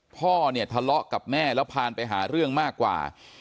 พ่อเนี่ยทะเลาะกับแม่แล้วพาไปหาเรื่องมากกว่า